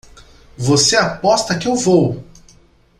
Você aposta que eu vou!